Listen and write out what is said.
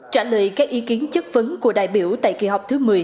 trả lời các ý kiến chất vấn của đại biểu tại kỳ họp thứ một mươi